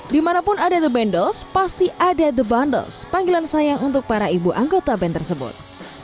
dimanapun ada the bundles pasti ada the bundles panggilan sayang untuk para ibu anggota band tersebut